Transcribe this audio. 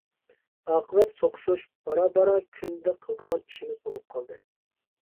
ئاقىۋەت سوقۇشۇش بارا-بارا كۈندە قىلىدىغان ئىشىمىز بولۇپ قالدى.